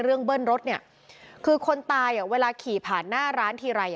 เรื่องเบิ้ลรถเนี่ยคือคนตายเวลาขี่ผ่านหน้าร้านทีไร